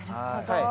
はい。